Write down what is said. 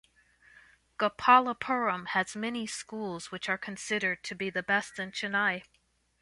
Gopalapuram has many schools which are considered to be the best in Chennai.